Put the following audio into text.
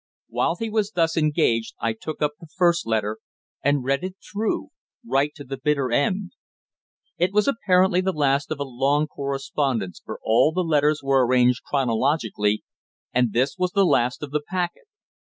While he was thus engaged I took up the first letter, and read it through right to the bitter end. It was apparently the last of a long correspondence, for all the letters were arranged chronologically, and this was the last of the packet.